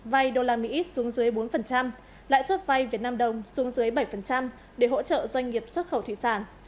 vay usd xuống dưới bốn lãi xuất vay vnđ xuống dưới bảy để hỗ trợ doanh nghiệp xuất khẩu thủy sản